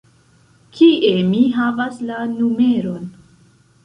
Kie mi havas la numeron?